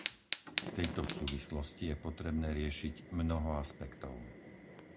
V tejto súvislosti je potrebné riešiť mnoho aspektov.